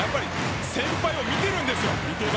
先輩を見ているんですよ。